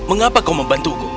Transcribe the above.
mengapa kau membantuku